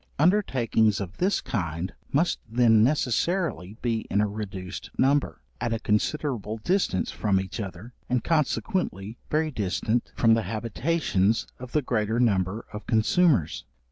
Undertakings of this kind must then necessarily be in a reduced number, at a considerable distance from each other, and consequently very distant from the habitations of the greater number of consumers.